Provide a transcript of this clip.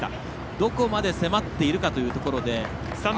どこまで迫っているかというところ。